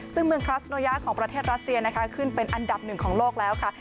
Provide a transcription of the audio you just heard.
ซึ่งเมืองคลัสโนยาของประเทศรัสเซียนะคะขึ้นเป็นอันดับหนึ่งของโลกแล้วค่ะ